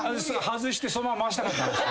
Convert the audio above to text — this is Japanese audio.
外してそのまま回したかった。